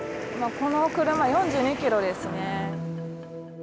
この車は４２キロですね。